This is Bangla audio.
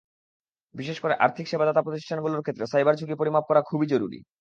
বিশেষ করে আর্থিক সেবাদাতা প্রতিষ্ঠানগুলোর ক্ষেত্রে সাইবার ঝুঁকি পরিমাপ করা খুবই জরুরি।